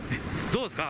どうですか？